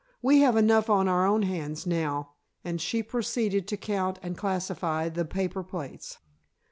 We have enough on our own hands now," and she proceeded to count and classify the paper plates.